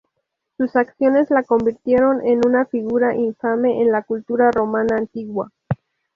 Sus acciones la convirtieron en una figura infame en la cultura romana antigua.